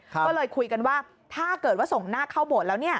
ก็เลยคุยกันว่าถ้าเกิดว่าส่งหน้าเข้าโบสถ์แล้ว